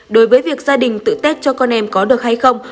đối với việc gia đình tự tết cho con em có được hay không